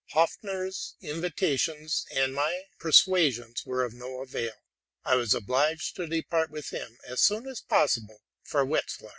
Hoépfner's invitations and my persuasions were of no avail: I was obliged to depart with him as soon as possible for Wetzlar.